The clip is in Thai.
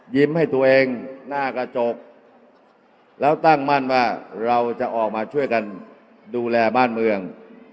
ให้ตัวเองหน้ากระจกแล้วตั้งมั่นว่าเราจะออกมาช่วยกันดูแลบ้านเมือง